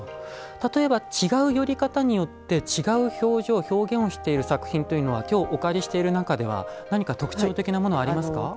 例えば違う撚り方によって違う表情表現をしている作品というのは今日お借りしている中では何か特徴的なものはありますか？